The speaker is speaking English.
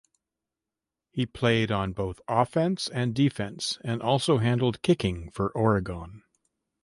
He played on both offense and defense and also handled kicking for Oregon.